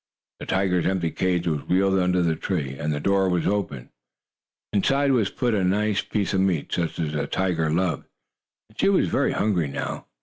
The tiger's empty cage was wheeled under the tree, and the door was open. Inside was put a nice piece of meat, such as the tiger loved, and she was very hungry now.